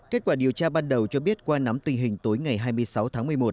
kết quả điều tra ban đầu cho biết qua nắm tình hình tối ngày hai mươi sáu tháng một mươi một